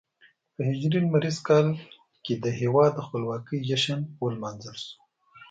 په هجري لمریز کال کې د هېواد د خپلواکۍ جشن ولمانځل شو.